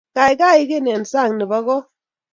Kaikai igeny eng sang nebo kot